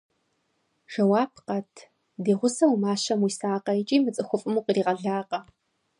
Жэуап къэт: ди гъусэу мащэм уисакъэ икӀи мы цӀыхуфӀым укъригъэлакъэ?